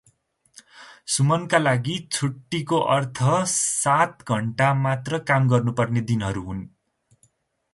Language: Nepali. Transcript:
सुमनका लागि छुट्टीको अर्थ सात घण्टामात्र काम गर्नुपर्ने दिनहरू हुन् ।